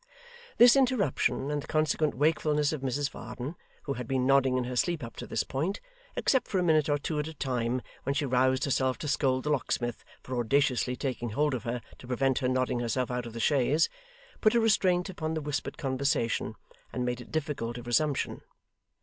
This interruption, and the consequent wakefulness of Mrs Varden, who had been nodding in her sleep up to this point, except for a minute or two at a time, when she roused herself to scold the locksmith for audaciously taking hold of her to prevent her nodding herself out of the chaise, put a restraint upon the whispered conversation, and made it difficult of resumption.